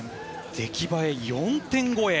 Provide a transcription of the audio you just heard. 出来栄え４点超え。